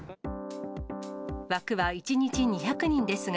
枠は１日２００人ですが、